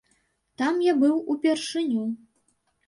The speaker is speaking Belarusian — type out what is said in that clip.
Там я быў упершыню.